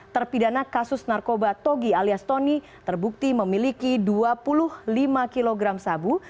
terpidana kasus narkoba togi alias tony terbukti memiliki dua puluh lima kg sabu